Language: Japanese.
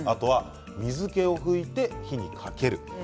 水けを拭いて火にかける。